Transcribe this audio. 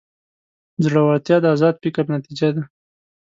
زړورتیا د ازاد فکر نتیجه ده.